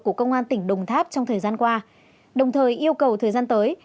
của công an tỉnh đồng tháp trong thời gian qua đồng thời yêu cầu thời gian tới